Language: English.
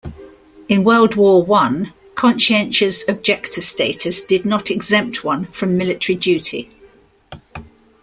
In World War One, conscientious objector status did not exempt one from military duty.